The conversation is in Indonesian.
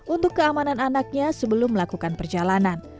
untuk keamanan anaknya sebelum melakukan perjalanan